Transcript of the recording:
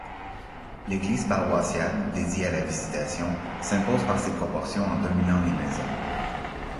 L'église paroissiale, dédiée à la Visitation, s'impose par ses proportions en dominant les maisons.